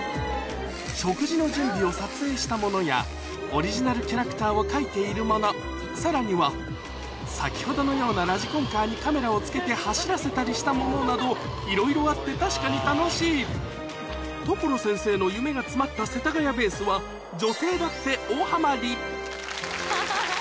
食事の準備を撮影したものやオリジナルキャラクターを描いているものさらには先ほどのようなラジコンカーにカメラを付けて走らせたりしたものなどいろいろあって確かに楽しい所先生の夢が詰まった世田谷ベースはへぇ。